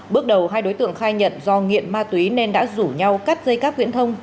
bước đầu hai đối tượng khai nhận do nghiện ma túy nên đã rủ nhau cắt dây cáp viễn thông